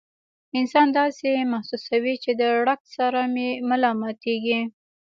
انسان داسې محسوسوي چې د ړق سره مې ملا ماتيږي